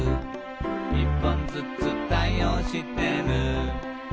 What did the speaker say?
「１本ずつ対応してる」